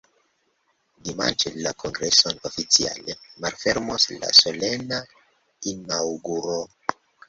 Dimanĉe la kongreson oficiale malfermos la solena inaŭguro.